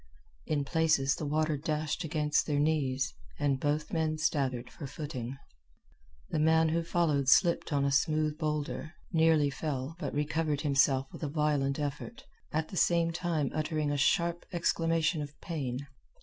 In places the water dashed against their knees, and both men staggered for footing. The man who followed slipped on a smooth boulder, nearly fell, but recovered himself with a violent effort, at the same time uttering a sharp exclamation of pain.